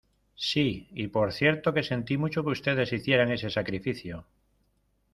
Sí y por cierto que sentí mucho que ustedes hicieran ese sacrificio.